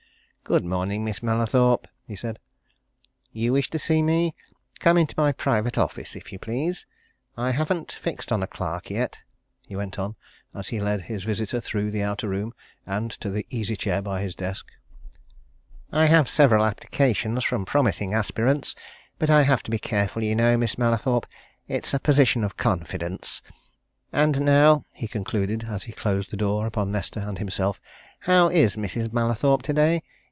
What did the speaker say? "Good morning, Miss Mallathorpe!" he said. "You wish to see me? Come into my private office, if you please. I haven't fixed on a clerk yet," he went on, as he led his visitor through the outer room, and to the easy chair by his desk. "I have several applications from promising aspirants, but I have to be careful, you know, Miss Mallathorpe it's a position of confidence. And now," he concluded, as he closed the door upon Nesta and himself, "how is Mrs. Mallathorpe today?